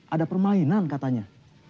ada permainan katanya